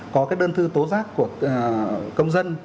có cái đơn thư tố giác của công dân